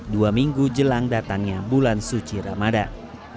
dua minggu jelang datangnya bulan suci ramadan